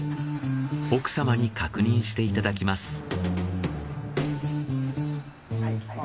奥様に確認していただきます。